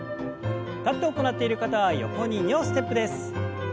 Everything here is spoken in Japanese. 立って行っている方は横に２歩ステップです。